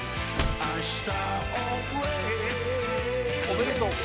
おめでとう。